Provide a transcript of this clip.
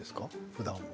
ふだん。